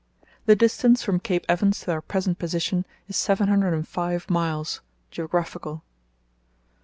The distance from Cape Evans to our present position is seven hundred and five miles (geographical).